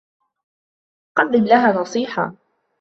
قدّم لها نصيحة.